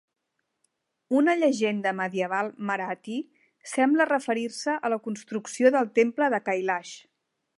Una llegenda medieval marathi sembla referir-se a la construcció del temple de Kailash.